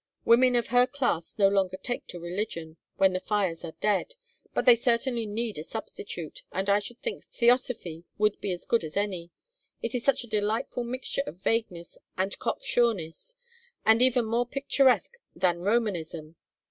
Women of her class no longer take to religion, when the fires are dead, but they certainly need a substitute, and I should think theosophy would be as good as any. It is such a delightful mixture of vagueness and cock sureness, and even more picturesque than Romanism.